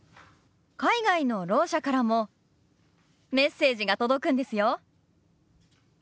海外のろう者からもメッセージが届くんですよ。